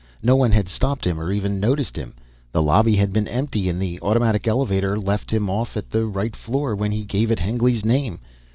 No one had stopped him or even noticed him. The lobby had been empty and the automatic elevator left him off at the right floor when he gave it Hengly's name.